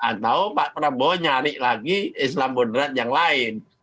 atau pak prabowo nyari lagi islamudera yang lain